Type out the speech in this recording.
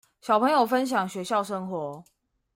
小朋友分享學校生活